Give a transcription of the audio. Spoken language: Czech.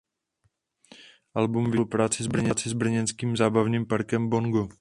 Album vyšlo ve spolupráci s brněnským zábavním parkem Bongo.